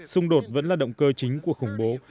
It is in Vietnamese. xung đột vẫn là động cơ chính của khủng bố